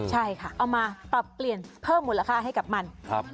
ใช่ค่ะเอามาปรับเปลี่ยนเพิ่มมูลค่าให้กับมัน